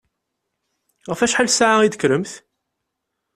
Ɣef wacḥal ssaɛa i d-tekkremt?